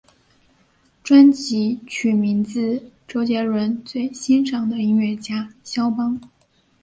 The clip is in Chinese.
专辑取名自周杰伦最欣赏的音乐家萧邦。